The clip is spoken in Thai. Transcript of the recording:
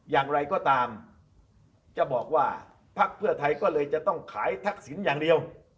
อย่างไรก็ตามจะบอกว่าพักเพื่อไทยก็เลยจะต้องขายทักษิณอย่างเดียว